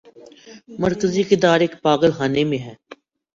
مرکزی کردار ایک پاگل خانے میں ہے۔